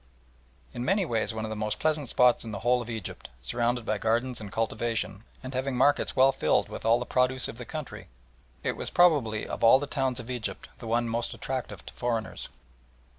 In many ways one of the most pleasant spots in the whole of Egypt, surrounded by gardens and cultivation, and having markets well filled with all the produce of the country, it was at that time probably of all the towns of Egypt the one most attractive to foreigners.